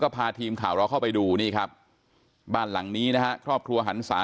พาทีมข่าวเราเข้าไปดูนี่ครับบ้านหลังนี้นะฮะครอบครัวหันศา